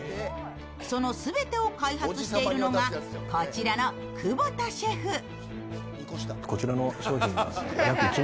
その全てを開発しているのがこちらの窪田シェフ。